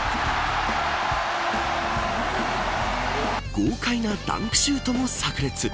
豪快なダンクシュートもさく裂。